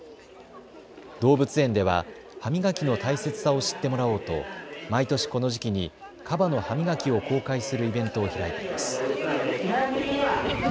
動物園では歯磨きの大切さを知ってもらおうと毎年この時期にカバの歯磨きを公開するイベントを開いています。